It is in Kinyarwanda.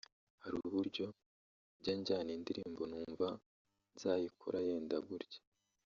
Hari uburyo njya njyana indirimbo numva nzayikora yenda gutya